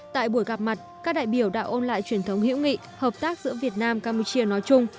tại buổi gặp mặt các đại biểu đã ôn lại truyền thống hữu nghị hợp tác giữa việt nam campuchia nói chung